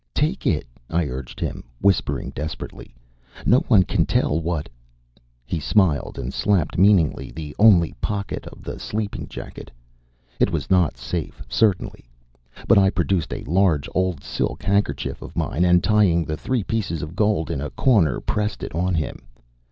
"Take it," I urged him, whispering desperately. "No one can tell what " He smiled and slapped meaningly the only pocket of the sleeping jacket. It was not safe, certainly. But I produced a large old silk handkerchief of mine, and tying the three pieces of gold in a corner, pressed it on him.